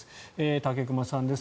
武隈さんです。